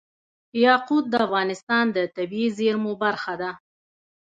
یاقوت د افغانستان د طبیعي زیرمو برخه ده.